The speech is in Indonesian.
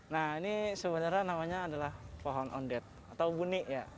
nah ini sebenarnya namanya adalah pohon ondet atau buni ya